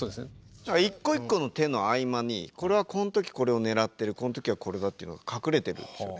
一個一個の手の合間にこれはこん時これを狙ってるこん時はこれだっていうのが隠れてるんですよね。